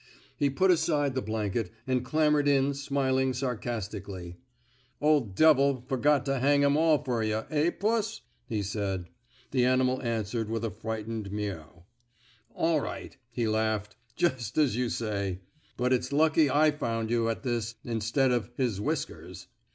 He put aside the blanket, and clambered in, smiling sarcastically. *' 01' devil f er got to hang 'em all fer yuh, eh, puss! '' he said. The animal answered with a frightened mew. All right," he laughed, just as you say. But it's lucky I found you at this, instead of * his whiskers'."